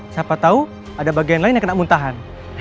siapa tahu ada bagian lain yang kena muntahan